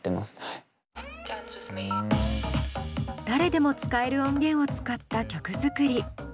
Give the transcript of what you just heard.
誰でも使える音源を使った曲作り。